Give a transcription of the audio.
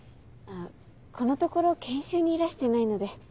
このところ研修にいらしてないので。